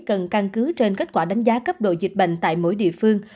cần căn cứ trên kết quả đánh giá cấp độ dịch bệnh tại mỗi địa phương